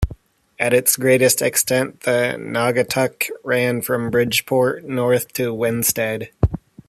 At its greatest extent the Naugatuck ran from Bridgeport north to Winsted.